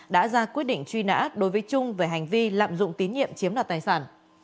đã ra quyết định truy nã đối với trung về hành vi lạm dụng tín nhiệm chiếm đoạt tài sản